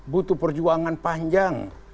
butuh perjuangan panjang